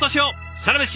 「サラメシ」